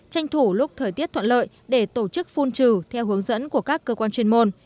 tranh thủ lúc thời tiết thuận lợi để tổ chức phun trừ theo hướng dẫn của các cơ quan chuyên môn